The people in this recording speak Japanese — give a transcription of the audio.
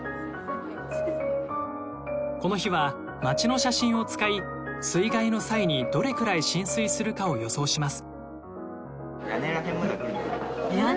この日は街の写真を使い水害の際にどれくらい浸水するかを予想します。